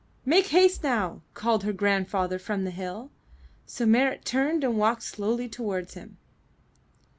''Make haste now!" called her grandfather from the hill, so Marit turned and walked slowly toward him.